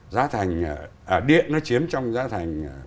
giá thành điện nó chiếm trong giá thành